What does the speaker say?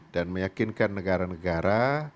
dan meyakinkan negara negara